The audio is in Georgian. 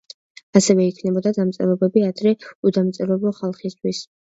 ასევე იქმნებოდა დამწერლობები ადრე უდამწერლობო ხალხისთვის.